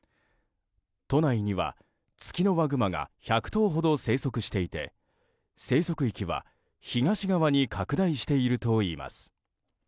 都内にはツキノワグマが１００頭ほど生息していて生息域は東側に拡大しているといいます。